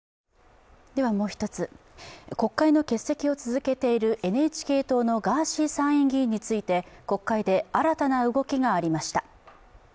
もう１つ、国会の欠席を続けているＮＨＫ党のガーシー参院議員について国会で新たな動きがありました。